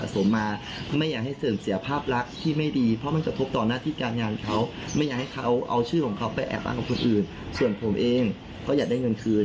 ก็มีประมาณ๑๐คดี